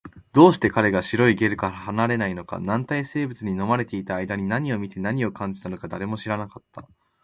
どうして彼が白いゲルから離れないのか、軟体生物に飲まれていた間に何を見て、何を感じたのか、誰も知らなかった